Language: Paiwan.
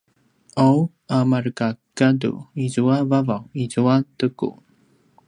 ’aw a markagadu izua vavaw izua teku